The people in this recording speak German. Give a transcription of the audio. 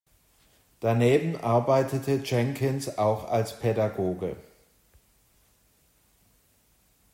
Daneben arbeitete Jenkins auch als Pädagoge.